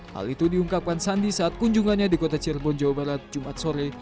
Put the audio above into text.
hal itu diungkapkan sandi saat kunjungannya di kota cirebon jawa barat jumat sore